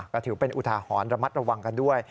ก็ถือเป็นอุทาหรณ์ระมัดระวังกันด้วย